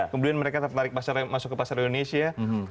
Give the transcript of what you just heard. kemudian mereka tertarik masuk ke pasar indonesia